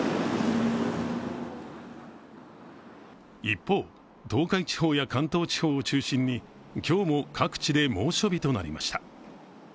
一方、東海地方や関東地方を中心に今日も各地で猛暑日となりました。